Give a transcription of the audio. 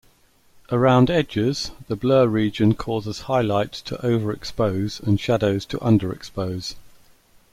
Around edges, the blur region causes highlights to overexpose and shadows to underexpose.